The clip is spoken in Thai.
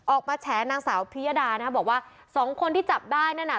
แฉนางสาวพิยดานะบอกว่าสองคนที่จับได้นั่นน่ะ